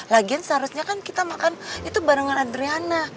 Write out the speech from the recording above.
lagian seharusnya kan kita makan itu barengan adriana